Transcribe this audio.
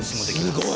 すごい！